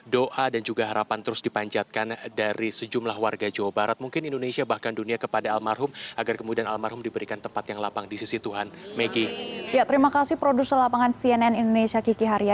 doa dan juga harapan terus diperoleh